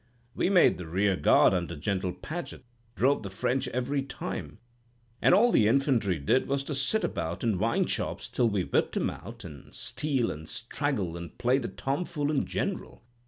'—We made the rear guard, under General Paget; and drove the French every time; and all the infantry did was to sit about in wine shops till we whipped 'em out, an' steal an' straggle an' play the tomfool in general.